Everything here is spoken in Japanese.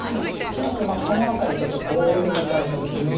恐らくこの辺りちょっとこういうふうに打たれた時に。